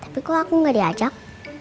tapi kok aku nggak diajak